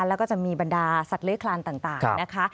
แล้วก็จะมีบรรดาสัตว์เลื้อยคลานต่างนะคะ